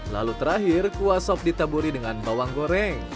lalu terakhir kuah sop ditaburi dengan bawang goreng